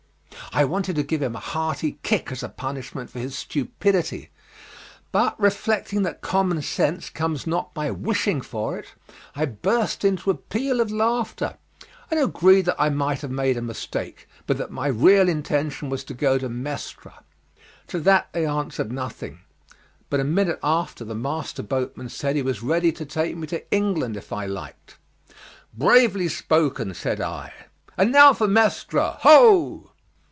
I wanted to give him a hearty kick as a punishment for his stupidity, but reflecting that common sense comes not by wishing for it I burst into a peal of laughter, and agreed that I might have made a mistake, but that my real intention was to go to Mestre. To that they answered nothing, but a minute after the master boatman said he was ready to take me to England if I liked. "Bravely spoken," said I, "and now for Mestre, ho!"